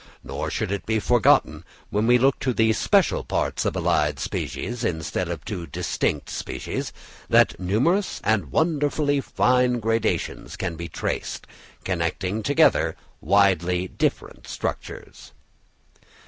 Nor should it be forgotten, when we look to the special parts of allied species, instead of to distinct species, that numerous and wonderfully fine gradations can be traced, connecting together widely different structures.